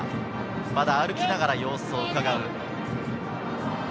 まだ歩きながら様子をうかがう。